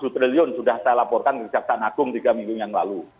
tujuh triliun sudah saya laporkan ke kejaksaan agung tiga minggu yang lalu